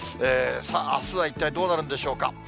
さあ、あすは一体どうなるんでしょうか。